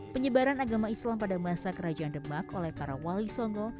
penyebaran agama islam pada masa kerajaan demak oleh para wali songo